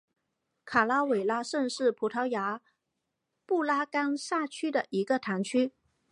卡拉韦拉什是葡萄牙布拉干萨区的一个堂区。